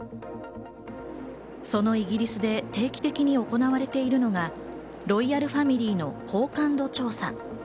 そのイギリスで定期的に行われているのが、ロイヤルファミリーの好感度調査。